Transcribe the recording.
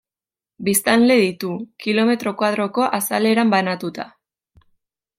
Biztanle ditu, kilometro koadroko azaleran banatuta.